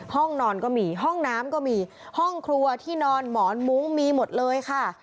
ห้องนอนก็มีห้องน้ำก็มีห้องครัวที่นอนหมอนมุ้งมีหมดเลยค่ะ